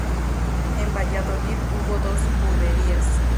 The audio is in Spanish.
En Valladolid hubo dos juderías.